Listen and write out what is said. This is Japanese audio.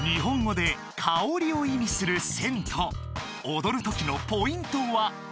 踊る時のポイントは？